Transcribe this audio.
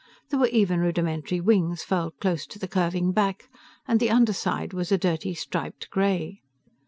There were even rudimentary wings furled close to the curving back, and the underside was a dirty, striped gray.